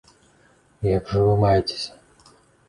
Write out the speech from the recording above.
Як жа вы маецеся?